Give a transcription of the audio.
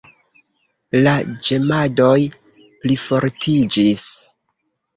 La ĝemadoj plifortiĝis.